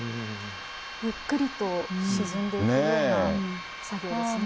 ゆっくりと沈んでいくような作業ですね。